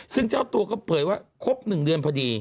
ซึ่งเจ้าตัวก็เผยว่าครบ๑เดือนพอดี